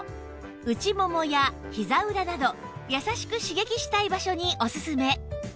内ももやひざ裏など優しく刺激したい場所におすすめ